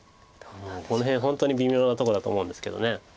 この辺本当に微妙なとこだと思うんですけど。